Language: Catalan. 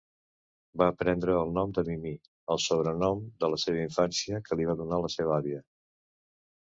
Va prendre el nom de "Mimi", el sobrenom de la seva infància que li va dona la seva àvia.